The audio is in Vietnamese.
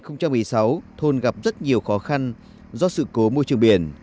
năm hai nghìn một mươi sáu thôn gặp rất nhiều khó khăn do sự cố môi trường biển